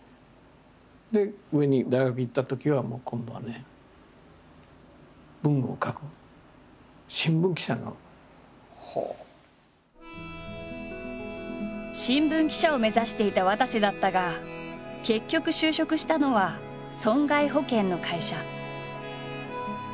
で大学行ったときはもう今度はね文を書く新聞記者を目指していたわたせだったが結局就職したのは損害保険の会社。